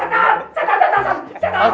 setan setan setan